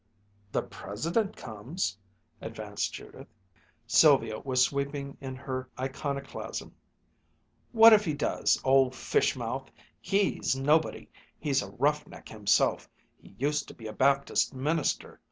"The President comes," advanced Judith. Sylvia was sweeping in her iconoclasm. "What if he does old fish mouth! He's nobody he's a rough neck himself. He used to be a Baptist minister.